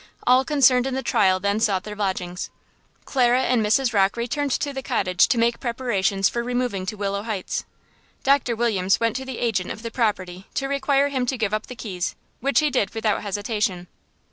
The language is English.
All concerned in the trial then sought their lodgings. Clara and Mrs. Rocke returned to the cottage to make preparations for removing to Willow Heights. Doctor Williams went to the agent of the property to require him to give up the keys, which he did without hesitation.